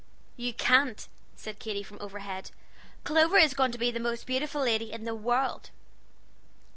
"You can't," said Katy from overhead. "Clover is going to be the most beautiful lady in the world."